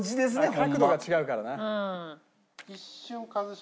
角度が違うからな。